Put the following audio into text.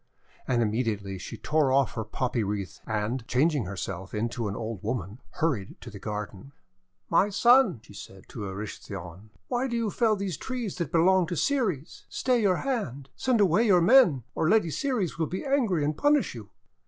And immediately she tore off her poppy wreath, and, changing herself into an old woman, hurried to the garden. "My Son," she said to Erysichthon, "why do you fell these trees that belong to Ceres? Stay your hand! Send away your men or the Lady Ceres will be angry and punish you!'